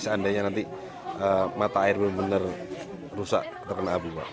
seandainya nanti mata air benar benar rusak terkena abu pak